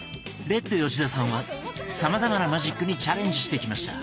レッド吉田さんはさまざまなマジックにチャレンジしてきました。